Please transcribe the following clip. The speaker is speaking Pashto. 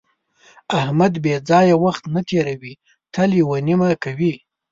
احمد بې ځایه وخت نه تېروي، تل یوه نیمه کوي.